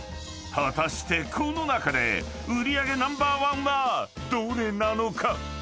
［果たしてこの中で売り上げナンバーワンはどれなのか？］